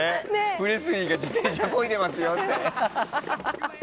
プレスリーが自転車、漕いでますよって。